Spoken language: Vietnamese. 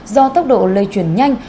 do tốc độ lây chuyển nhanh